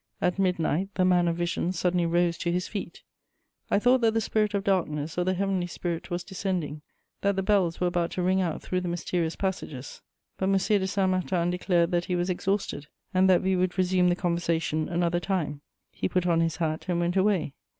At midnight, the man of visions suddenly rose to his feet. I thought that the spirit of darkness or the heavenly spirit was descending, that the bells were about to ring out through the mysterious passages; but M. de Saint Martin declared that he was exhausted, and that we would resume the conversation another time: he put on his hat and went away.